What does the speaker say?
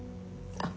あっ。